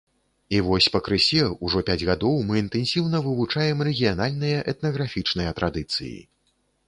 І вось пакрысе, ўжо пяць гадоў, мы інтэнсіўна вывучаем рэгіянальныя этнафанічныя традыцыі.